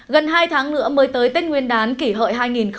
gần hai tháng nữa mới tới tết nguyên đán kỷ hợi hai nghìn một mươi chín